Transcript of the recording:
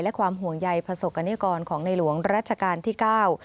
และความห่วงใยประสบกรณิกรของในหลวงรัชกาลที่เก้า